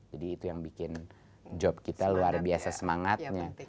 jadi itu yang bikin job kita luar biasa semangatnya